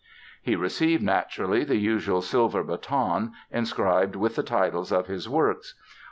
He received, naturally, the usual silver baton "inscribed with the titles of his works".